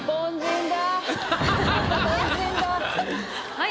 はい。